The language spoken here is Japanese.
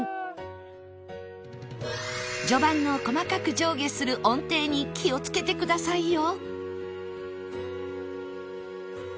序盤の細かく上下する音程に気をつけてくださいよ